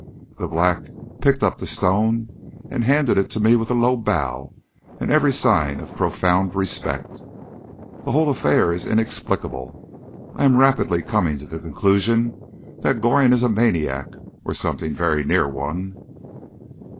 The black picked up the stone and handed it to me with a low bow and every sign of profound respect. The whole affair is inexplicable. I am rapidly coming to the conclusion that Goring is a maniac or something very near one.